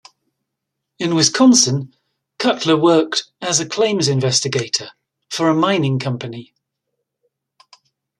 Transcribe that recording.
In Wisconsin, Cutler worked as a claims investigator for a mining company.